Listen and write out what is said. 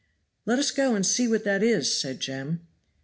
"Let us go and see what that is," said Jem.